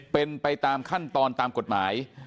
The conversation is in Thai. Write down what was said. เป็นไปตามขั้นตอนตามกฎหมาย